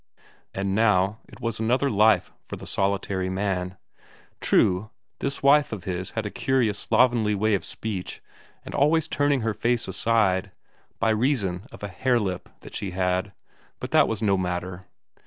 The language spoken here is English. And now it was another life for the solitary man. True, this wife of his had a curious slovenly way of speech, and always turning her face aside, by reason of a hare lip that she had, but that was no matter.